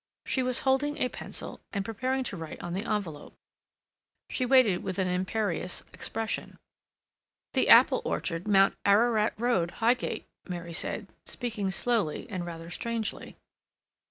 She was holding a pencil and preparing to write on the envelope. She waited with an imperious expression. "The Apple Orchard, Mount Ararat Road, Highgate," Mary said, speaking slowly and rather strangely.